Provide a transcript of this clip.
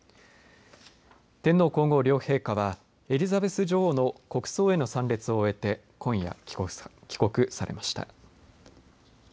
天皇皇后両陛下はエリザベス女王の国葬への参列を終えて今夜帰国されました。